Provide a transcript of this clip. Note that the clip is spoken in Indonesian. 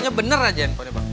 pokoknya bener aja infonya bang